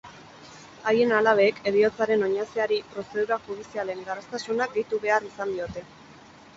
Haien alabek heriotzaren oinazeari prozedura judizialen garraztasuna gehitu behar izan diote.